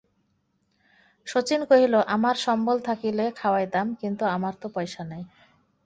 শচীশ কহিল, আমার সম্বল থাকিলে খাওয়াইতাম, কিন্তু আমার তো পয়সা নাই।